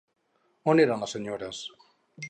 On eren les senyores?